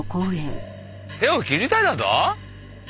手を切りたいだと？